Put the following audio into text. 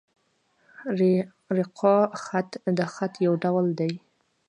رِقاع خط؛ د خط یو ډول دﺉ.